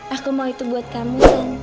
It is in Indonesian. aku mau itu buat kamu